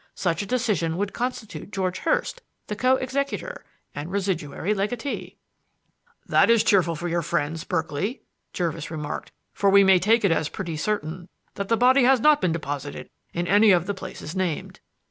Such a decision would constitute George Hurst the co executor and residuary legatee." "That is cheerful for your friends, Berkeley," Jervis remarked, "for we may take it as pretty certain that the body has not been deposited in any of the places named."